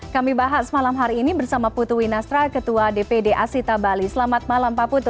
kami bahas malam hari ini bersama putu winastra ketua dpd asita bali selamat malam pak putu